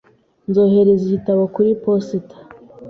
Nzohereza igitabo kuri posita .